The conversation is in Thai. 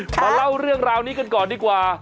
มาเล่าเรื่องราวนี้กันก่อนดีกว่า